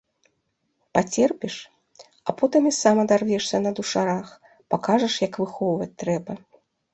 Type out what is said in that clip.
Пацерпіш, а потым і сам адарвешся на душарах, пакажаш, як выхоўваць трэба.